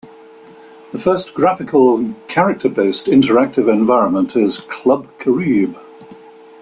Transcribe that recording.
The first graphical character-based interactive environment is "Club Caribe".